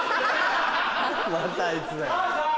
またあいつだよ。